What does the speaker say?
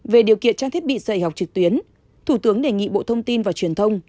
về điều kiện trang thiết bị dạy học trực tuyến thủ tướng đề nghị bộ thông tin và truyền thông